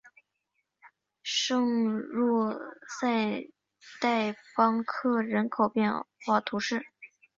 圣若塞代邦克人口变化图示